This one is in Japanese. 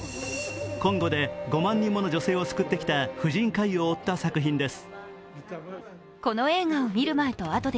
コンゴで５万人もの女性を救ってきた婦人科医を追った作品です。